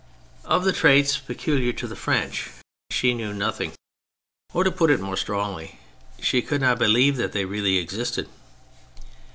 Of the traits peculiar to the French she THE CHARACTERS 49 knew nothing, or, to put it more strongly, she could not believe that they really existed.